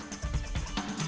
terima kasih juga